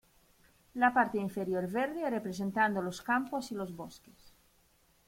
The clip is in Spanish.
La parte inferior verde representando los campos y los bosques.